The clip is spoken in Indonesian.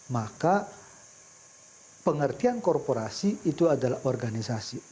maka pengertian korporasi itu adalah organisasi